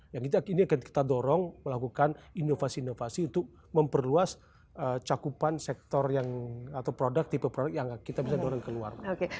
yang ini akan kita dorong melakukan inovasi inovasi untuk memperluas cakupan sektor yang atau produk tipe produk yang kita bisa dorong keluar